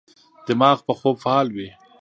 دماغ په خوب فعال وي.